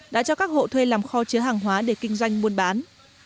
đã cho các hộ thuê làm kho chứa hàng hóa để kinh doanh buôn bán